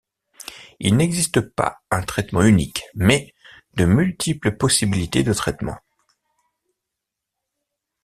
Il n'existe pas un traitement unique mais de multiples possibilités de traitement.